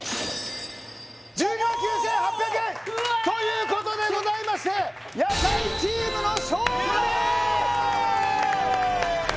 １２万９８００円ということでございまして夜会チームの勝利！